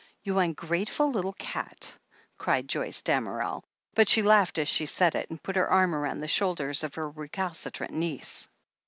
"You ungrateful little cat!" cried Joyce Damerel. But she laughed as she said it, and put her arm round the shoulders of her recalcitrant niece.